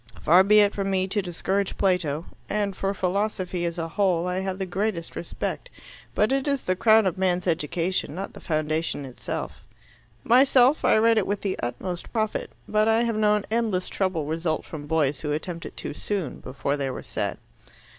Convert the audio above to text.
"Far be it from me to disparage Plato. And for philosophy as a whole I have the greatest respect. But it is the crown of a man's education, not the foundation. Myself, I read it with the utmost profit, but I have known endless trouble result from boys who attempt it too soon, before they were set."